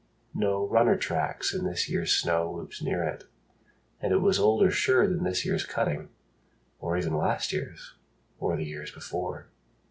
No runner tracks in this year's snow looped near it. And it was older sure than this year's cutting, Or even last year's or the year's before.